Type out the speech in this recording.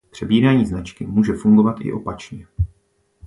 Přebírání značky může fungovat i opačně.